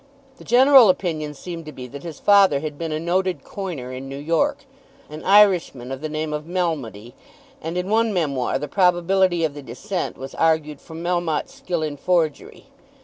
The general opinion seemed to be that his father had been a noted coiner in New York, an Irishman of the name of Melmody, and, in one memoir, the probability of the descent was argued from Melmotte's skill in forgery.